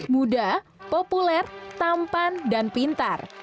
muda populer tampan dan pintar